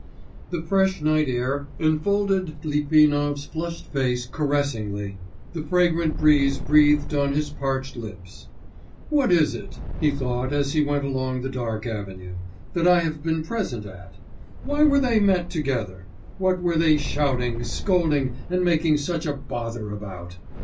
The fresh night air enfolded Litvinov's flushed face caressingly, the fragrant breeze breathed on his parched lips. 'What is it,' he thought as he went along the dark avenue, 'that I have been present at? Why were they met together? What were they shouting, scolding, and making such a pother about?